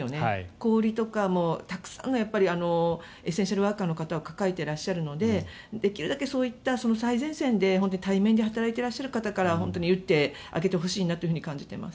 小売りとかも、たくさんのエッセンシャルワーカーの方を抱えていらっしゃるのでできるだけ、そういった最前線で本当に対面で働いていらっしゃる方から本当に打ってあげてほしいなと感じています。